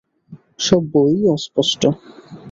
সব বইই অস্পষ্ট।